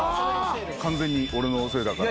完全に俺のせいだから。